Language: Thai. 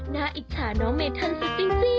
น่าอิกฉาน้องเมทานสุด